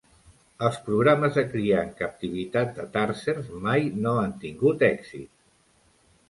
Els programes de cria en captivitat de tarsers mai no han tingut èxit.